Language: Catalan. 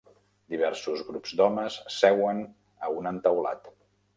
Diversos grups d'homes seuen a un entaulat.